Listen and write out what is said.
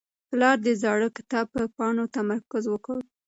پلار د زاړه کتاب په پاڼو تمرکز وکړ.